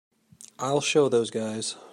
I'll show those guys.